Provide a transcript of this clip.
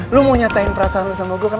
lu mau nyatain perasaan lo sama gue kan